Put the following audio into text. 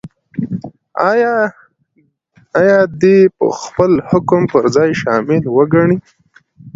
ایا دی به خپل حکم پر ځان شامل وګڼي؟